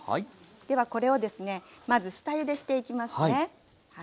ではこれをですねまず下ゆでしていきますね。